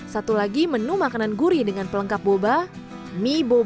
satu lagi menu makanan gurih dengan pelengkap boba mie boba